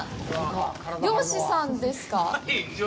漁師さんですか？